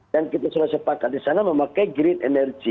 dan kita sudah sepakat di sana memakai green energy